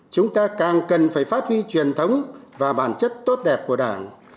chúng ta càng cần phải phát huy truyền thống và bản chất tốt đẹp của đảng